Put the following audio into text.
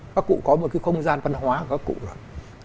các cụ có một cái không gian văn hóa của các cụ được